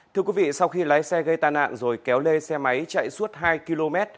thưa quý vị sau khi lái xe gây tai nạn rồi kéo lê xe máy chạy suốt hai km